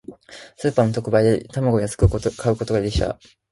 スーパーの特売で、卵を安く買うことができた。